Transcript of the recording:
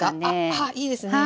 ああいいですね！